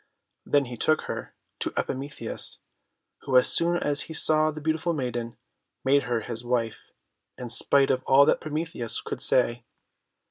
Then he took her to Epimetheus, who, as soon as he saw the beautiful maiden, made her his wife, in spite of all that Prometheus could say.